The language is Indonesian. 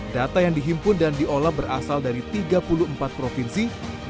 data yang dihimpun dan diolah berasal dari tiga puluh empat provinsi